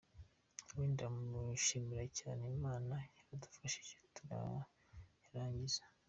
Nawe ndamushimira cyane!!! Imana yaradufashije turayarangiza.